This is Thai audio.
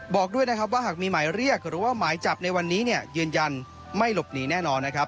บอกด้วยนะครับว่าหากมีหมายเรียกหรือว่าหมายจับในวันนี้เนี่ยยืนยันไม่หลบหนีแน่นอนนะครับ